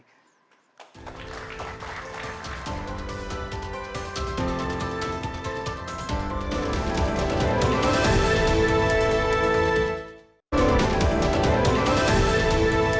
terima kasih pak